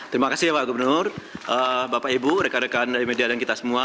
terima kasih ya pak gubernur bapak ibu rekan rekan dari media dan kita semua